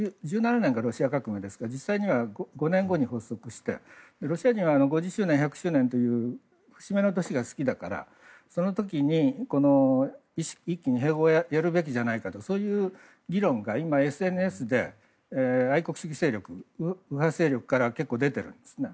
１７年がロシア革命ですから実際には５年後に発足してロシア人は５０周年、１０周年という節目の年が好きだからその時に、一気に併合をやるべきじゃないかという議論が今、ＳＮＳで愛国主義勢力、右派勢力から結構、出ているんですね。